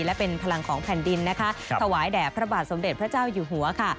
และเป็นพลังของแผ่นดินนะคะถวายแด่พระบาทสมเด็จพระเจ้าอยู่หัวค่ะ